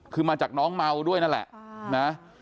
คือมาจากน้องเมาด้วยนั่นแหละนะ